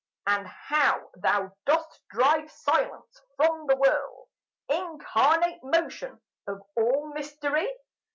And how thou dost drive silence from the world, Incarnate Motion of all mystery!